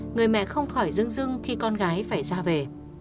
người mẹ không khỏi rưng rưng khi con gái phải ra về